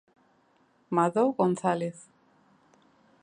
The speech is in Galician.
Madó González.